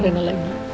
kalau rena lagi